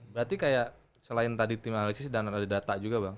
berarti kayak selain tadi tim analisis dan ada data juga bang